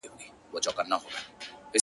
ما ستا لپاره په خزان کي هم کرل گلونه-